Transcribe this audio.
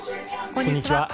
こんにちは。